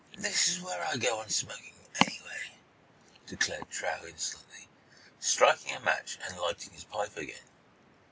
"This is where I go on smoking, anyway," declared Truax, insolently, striking a match and lighting his pipe again.